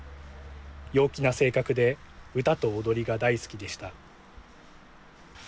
陽気な性格で歌と踊りが大好きでした。